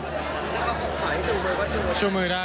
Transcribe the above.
ถ้าเขาขอให้ชูมือก็ชูมือได้ครับ